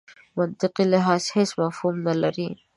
منطقي لحاظ هېڅ مفهوم نه لري.